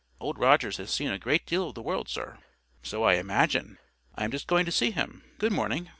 —Old Rogers has seen a great deal of the world, sir." "So I imagine. I am just going to see him. Good morning."